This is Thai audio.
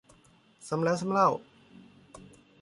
ซ้ำแล้วซ้ำเล่า